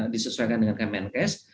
disesuaikan dengan kemenkes